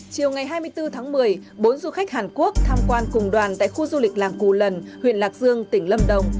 chiều ngày hai mươi bốn tháng một mươi bốn du khách hàn quốc tham quan cùng đoàn tại khu du lịch làng cù lần huyện lạc dương tỉnh lâm đồng